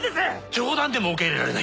冗談でも受け入れられないんだよ。